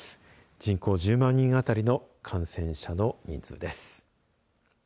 人口１０万人あたりの感染者の人数です。